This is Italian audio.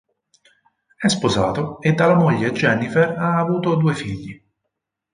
È sposato e dalla moglie Jennifer ha avuto due figli.